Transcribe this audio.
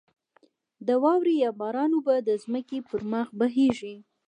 د واورې یا باران اوبه د ځمکې پر مخ بهېږې.